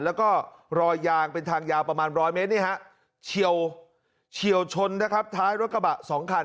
แล้วก็รอยยางเป็นทางยาวประมาณ๑๐๐เมตรเฉียวชนนะครับท้ายรถกระบะ๒คัน